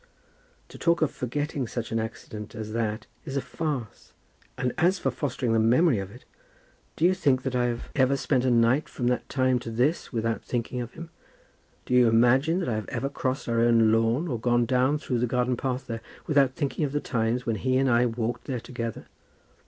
To talk of forgetting such an accident as that is a farce. And as for fostering the memory of it ! Do you think that I have ever spent a night from that time to this without thinking of him? Do you imagine that I have ever crossed our own lawn, or gone down through the garden path there, without thinking of the times when he and I walked there together?